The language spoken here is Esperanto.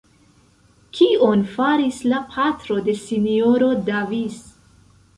Kion faris la patro de S-ro Davis?